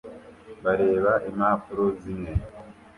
bareba impapuro zimwe